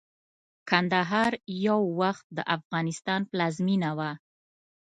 کندهار يٶوخت دافغانستان پلازمينه وه